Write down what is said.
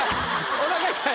「おなか痛い」。